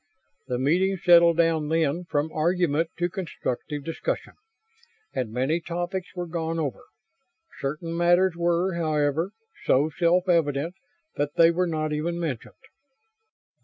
The meeting settled down, then, from argument to constructive discussion, and many topics were gone over. Certain matters were, however, so self evident that they were not even mentioned.